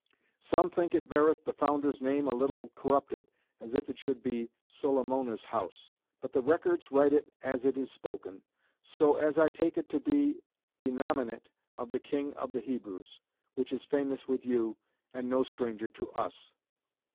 Some think it beareth the founder's name a little corrupted, as if it should be Solamona's House. But the records write it as it is spoken. So as I take it to be denominate of the king of the Hebrews, which is famous with you, and no stranger to us.